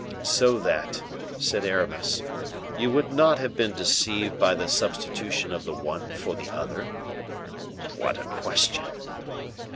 "So that," said Aramis, "you would not have been deceived by the substitution of the one for the other?" "What a question!"